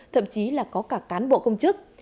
thậm chí là có cả cán bộ công chức